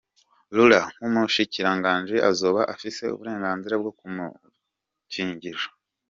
Lula nk'umushikiranganji azoba afise uburenganzira bwo kumukingira.